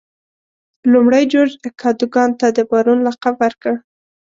لومړي جورج کادوګان ته د بارون لقب ورکړ.